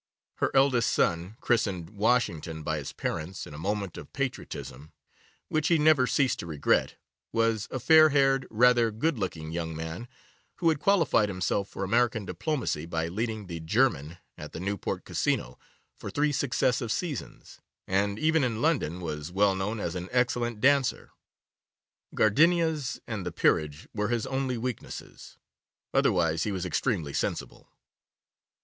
Her eldest son, christened Washington by his parents in a moment of patriotism, which he never ceased to regret, was a fair haired, rather good looking young man, who had qualified himself for American diplomacy by leading the German at the Newport Casino for three successive seasons, and even in London was well known as an excellent dancer. Gardenias and the peerage were his only weaknesses. Otherwise he was extremely sensible.